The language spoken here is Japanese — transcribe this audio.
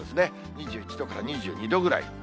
２１度から２２度ぐらい。